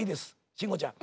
慎吾ちゃん。